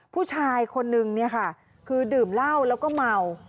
ผู้ชายคนนึงคือดื่มเหล้าแล้วก็เมา